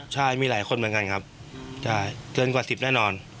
ใช่มีหลายคนเหมือนกันครับใช่เกินกว่า๑๐แน่นอน